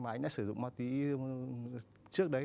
anh ấy đã sử dụng mặt túy trước đấy